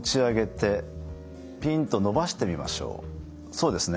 そうですね。